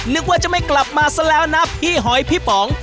นึกว่าจะไม่กลับมาซะแล้วนะพี่หอยพี่ป๋อง